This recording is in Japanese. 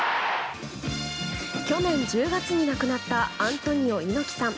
去年１０月に亡くなったアントニオ猪木さん。